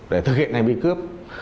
để thực hiện hành vi cướp